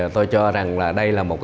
tôi cho rằng đây là một